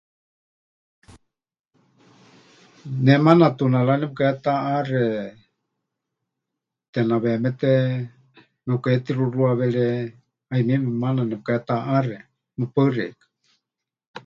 Ne maana Tonalá nepɨkahetaʼaxe, tenaweméte mepɨkahetixuxuawere, 'ayumieme maana nepɨkahetaʼaxe. Mɨpaɨ xeikɨ́a.